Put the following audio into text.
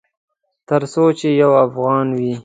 ترڅو چې یو افغان وي